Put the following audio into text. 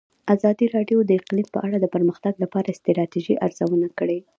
ازادي راډیو د اقلیم په اړه د پرمختګ لپاره د ستراتیژۍ ارزونه کړې.